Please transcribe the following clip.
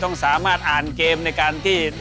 ต้องสามารถอ่านเกมในการที่